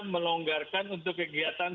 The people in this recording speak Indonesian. melonggarkan untuk kegiatan